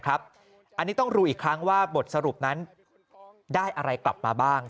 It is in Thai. อันนี้ต้องรู้อีกครั้งว่าบทสรุปนั้นได้อะไรกลับมาบ้าง